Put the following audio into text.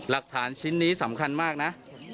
หลักฐานชิ้นนี้สำคัญมากนะ